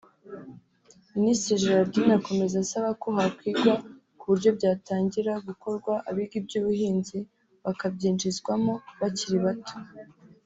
Minisitiri Gerardine akomeza asaba ko hakwigwa ku buryo byatangira gukorwa abiga iby’ubuhinzi bakabyinjizwamo bakiri bato